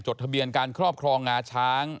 ทะเบียนการครอบครองงาช้าง